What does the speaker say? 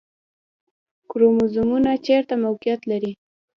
کروموزومونه چیرته موقعیت لري؟